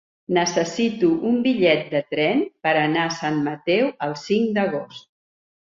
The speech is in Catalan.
Necessito un bitllet de tren per anar a Sant Mateu el cinc d'agost.